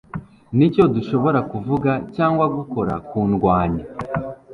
n'icyo dushobora kuvuga cyangwa gukora kundwanya